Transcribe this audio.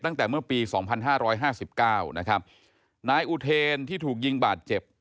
ตั้งแต่เมื่อปี๒๕๕๙นะครับนายอุเทรนที่ถูกยิงบาดเจ็บ